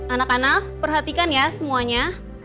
anak anak perhatikan ya semuanya